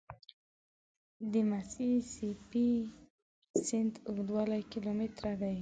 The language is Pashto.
د میسي سي پي سیند اوږدوالی کیلومتره دی.